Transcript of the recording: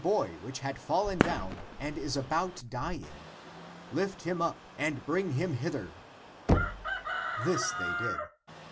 44 THE APOCRYPHAL ACTS which had fallen down and is about dying. Lift him up and bring him hither." This they did.